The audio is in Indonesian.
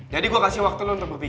jadi gue kasih waktu lo untuk berpikir